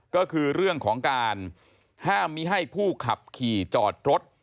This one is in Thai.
ก็คือเรื่องของการห้ามมีให้ผู้ขับขี่จอดรถ